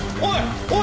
おい！